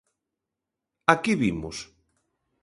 A que vimos?